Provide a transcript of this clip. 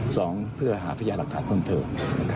สองเพื่อหาพยานรักฐานต้นเถิบ